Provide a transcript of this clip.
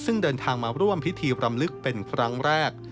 ซึ่งเดินทางมาร่วมพิธีรำลึกเป็นครั้งแรก